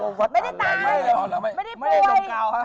ไม่ได้ตายไม่ได้โรงกาว